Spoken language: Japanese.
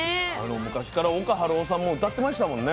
昔から岡晴夫さんも歌ってましたもんね。